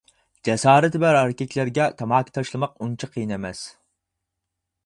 جاسارىتى بار ئەركەكلەرگە تاماكا تاشلىماق ئۇنچە قىيىن ئەمەس.